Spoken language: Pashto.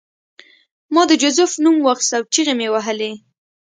ما د جوزف نوم واخیست او چیغې مې وهلې